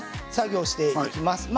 一緒に作業していきます。